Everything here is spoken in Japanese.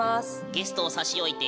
ゲストを差し置いて。